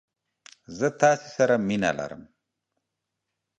زه تاسې سره مينه ارم!